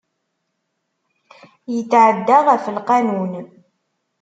Yetɛedda ɣef lqanun.